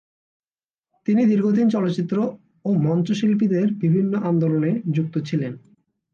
তিনি দীর্ঘদিন চলচ্চিত্র ও মঞ্চ শিল্পীদের বিভিন্ন আন্দোলনে যুক্ত ছিলেন।